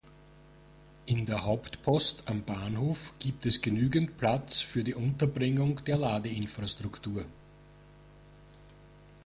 In der Hauptpost am Bahnhof gibt es genügend Platz für die Unterbringung der Ladeinfrastruktur.